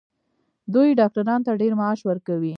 دوی ډاکټرانو ته ډیر معاش ورکوي.